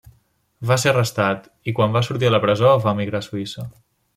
Va ser arrestat i, quan va sortir de la presó, va emigrar a Suïssa.